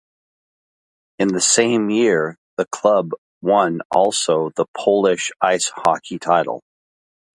In the same year the club won also the Polish ice hockey title.